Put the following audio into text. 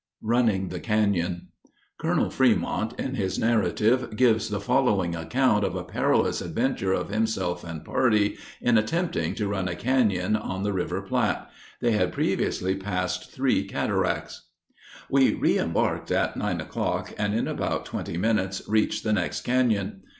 RUNNING THE CANON. Col. Fremont, in his narrative, gives the following account of a perilous adventure of himself and party, in attempting to run a canon, on the river Platte. They had previously passed three cataracts: We reëmbarked at nine o'clock, and, in about twenty minutes, reached the next canon.